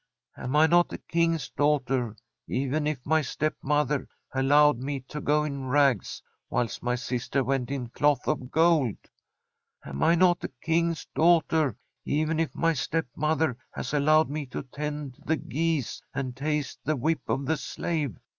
Am I not a King's daughter, even if my stepmother al lowed me to go in rags, whilst my sister went in cloth of gold ? Am I not a King's daughter, even if my stepmother has allowed me to tend the geese and taste the whip of the slave